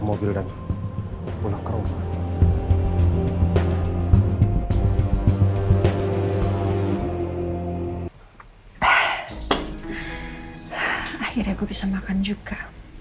jodan pulang ke rumah akhirnya gue bisa makan juga